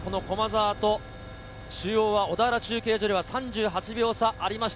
駒澤と中央は小田原中継所では３８秒差がありました。